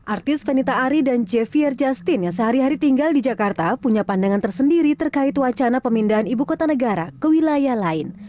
artis venita ari dan javier justin yang sehari hari tinggal di jakarta punya pandangan tersendiri terkait wacana pemindahan ibu kota negara ke wilayah lain